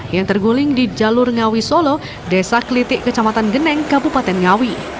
yang terguling di jalur ngawi solo desa kelitik kecamatan geneng kabupaten ngawi